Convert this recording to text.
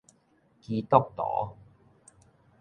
基督徒